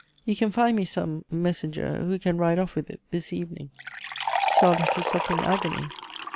You can find me some messenger, who can ride off with it this evening." Charlotte was suffering agonies.